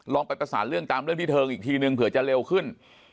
ไปประสานเรื่องตามเรื่องที่เทิงอีกทีนึงเผื่อจะเร็วขึ้น